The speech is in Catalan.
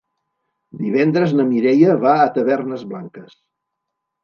Divendres na Mireia va a Tavernes Blanques.